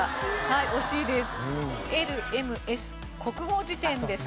はい惜しいです。